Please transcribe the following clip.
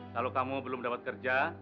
kalau kamu belum dapat kerja